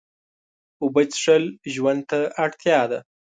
اوبه څښل ژوند ته اړتیا ده